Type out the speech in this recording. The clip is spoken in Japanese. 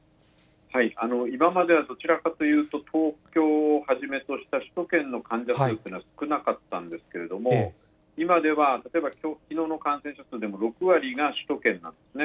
今までは、どちらかというと、東京をはじめとした首都圏の患者数っていうのは少なかったんですけれども、今では、例えばきのうの感染者数でも６割が首都圏なんですね。